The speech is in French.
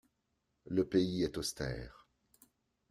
Le pays est austère.